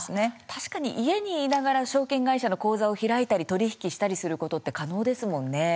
確かに、家にいながら証券会社の口座を開いたり取り引きしたりすることって可能ですもんね。